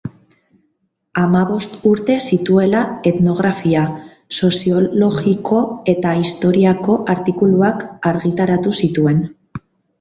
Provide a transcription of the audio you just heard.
Hamabost urte zituela etnografia, soziologiako eta historiako artikuluak argitaratu zituen.